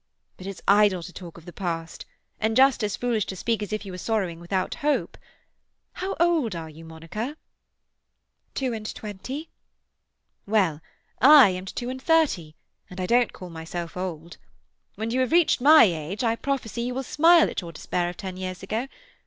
But it's idle to talk of the past, and just as foolish to speak as if you were sorrowing without hope. How old are you, Monica?" "Two and twenty." "Well, I am two and thirty—and I don't call myself old. When you have reached my age I prophesy you will smile at your despair of ten years ago.